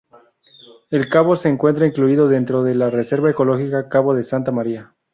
El cabo se encuentra incluido dentro de la reserva ecológica cabo de Santa María.